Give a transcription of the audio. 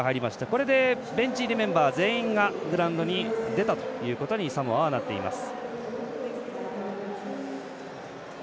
これで、ベンチ入りメンバー全員がグラウンドに出たということにサモアはなっています。